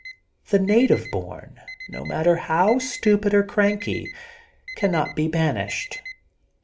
The native bom, no matter how stnpid or cranky, cannot be ban ished.